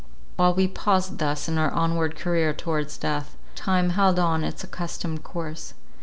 While we paused thus in our onward career towards death, time held on its accustomed course.